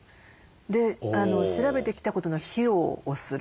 で調べてきたことの披露をする。